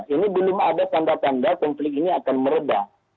ini belum ada tanda tanda konflik ini akan meredah